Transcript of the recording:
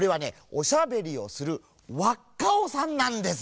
おしゃべりをする「わっカオ」さんなんです。